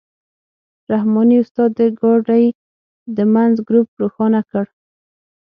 رحماني استاد د ګاډۍ د منځ ګروپ روښانه کړ.